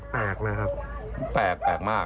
แปลกนะครับแปลกมาก